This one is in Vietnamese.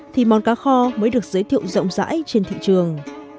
thì món cá kho mới được giới thiệu rộng rãi trên thị trường